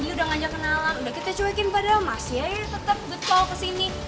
udah kita cuekin padahal masih aja tetep get call kesini